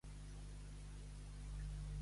Desfer-se en elogis.